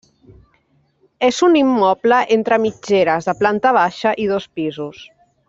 És un immoble entre mitgeres, de planta baixa i dos pisos.